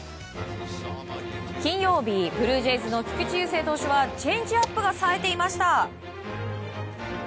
金曜日、ブルージェイズの菊池雄星投手はチェンジアップがさえていました。